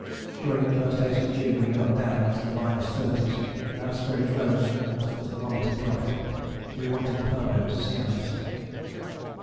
During the first days of June we got down into the minus thirties, and our spirits rose as the thermometer dropped: we wanted permanent sea ice.